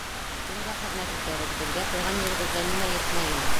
Кемгә хеҙмәт итәбеҙ, беҙгә тыуған еребеҙҙә нимә етмәй ине?